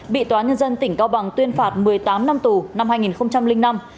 bị tòa nhân dân tỉnh cao bằng tuyên phạt một mươi tám năm tù năm hai nghìn năm